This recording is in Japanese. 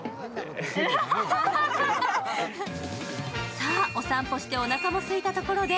さあ、お散歩しておなかもすいたところで